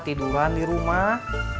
tiduran di rumah